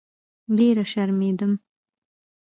ډېره شرمېدم.